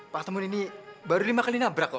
pak temun ini baru lima kali nabrak kok